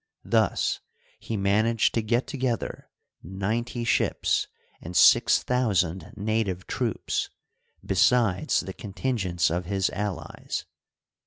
Thus he managed to get together ninety ships and six thousand native troops, besides the contingents of his allies.